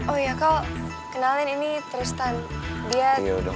oh ya kau kenalin ini tristan dia udah